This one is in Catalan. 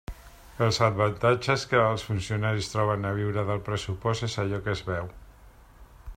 Els avantatges que els funcionaris troben a viure del pressupost és allò que es veu.